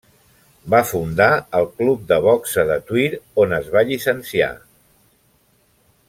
Va fundar el club de boxa de Tuïr on es va llicenciar.